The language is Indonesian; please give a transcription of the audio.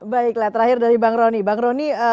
baiklah terakhir dari bang rony bang rony